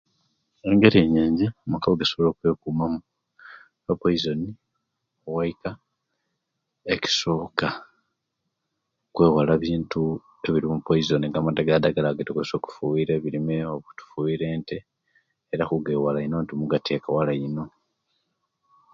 Engeri nyingi amakaago owegesobola okwekumamu opoizoni owaika ekisooka kweewala bintu ebirimu opoizoni nga amadagaladagala ago agetukozesya okufiira ebirime, okufiira ente era kugewala ino nti mugateka wala ino.